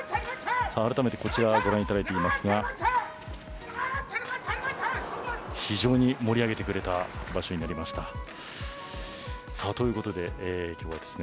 あらためてこちらご覧いただいていますが非常に盛り上げてくれた初場所になりました。